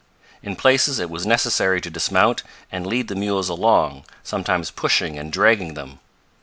In places it was necessary to dismount and lead the mules along, sometimes pushing and dragging them.